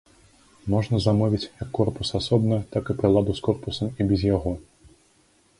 Можна замовіць як корпус асобна, так і прыладу з корпусам і без яго.